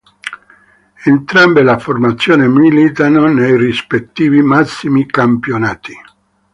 Entrambe le formazioni militano nei rispettivi massimi campionati.